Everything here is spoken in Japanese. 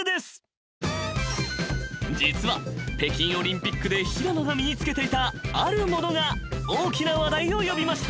［実は北京オリンピックで平野が身につけていたあるものが大きな話題を呼びました］